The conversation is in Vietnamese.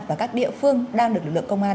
và các địa phương đang được lực lượng công an